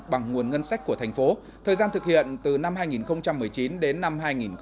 bằng nguồn ngân sách của thành phố thời gian thực hiện từ năm hai nghìn một mươi chín đến năm hai nghìn hai mươi